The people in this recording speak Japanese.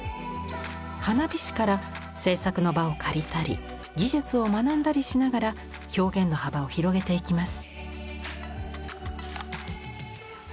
花火師から制作の場を借りたり技術を学んだりしながら表現の幅を広げていきます。